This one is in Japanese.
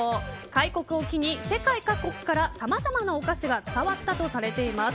開国を機に世界各国からさまざまなお菓子が伝わったとされています。